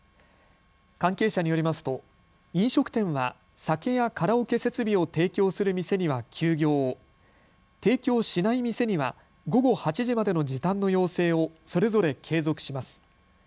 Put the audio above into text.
関係者によりますと飲食店は酒やカラオケ設備を提供する店には休業を、提供しない店には午後８時までの時短の要請をそれぞれ継続します。